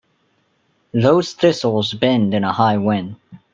Those thistles bend in a high wind.